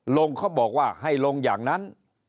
เขาบอกว่าให้ลงอย่างนั้น